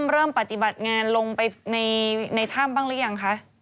เริ่มปฏิบัติงานลงไปในถ้ำบ้างหรือยังคะ